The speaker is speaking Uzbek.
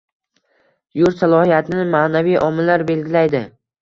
Yurt salohiyatini ma’naviy omillar belgilaydi.